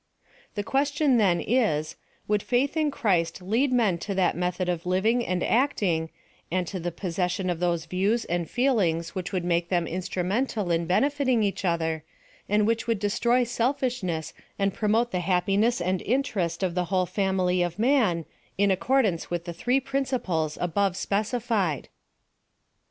The question then is — Would faith in Christ lead men to that method of living and acting, and to the possession of llose 216 PHILOSOPHY OP THE dews and feelings which would make Ihem instru mental in benefitting each other, and which would destroy selfishness and promote the happiness and interest of the whole family of man, in accordance with the three principles above specified